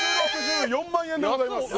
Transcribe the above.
２６４万円でございます